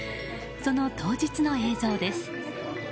その当日の映像です。